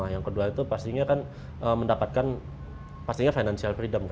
yang kedua itu pastinya mendapatkan financial freedom